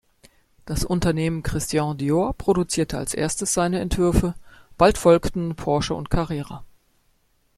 Das Unternehmen Christian Dior produzierte als erstes seine Entwürfe, bald folgten Porsche und Carrera.